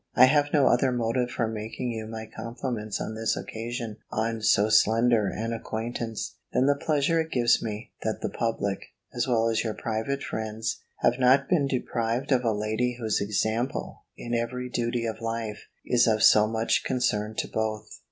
I have no other motive for making you my compliments on this occasion, on so slender an acquaintance, than the pleasure it gives me, that the public, as well as your private friends, have not been deprived of a lady whose example, in every duty of life, is of so much concern to both.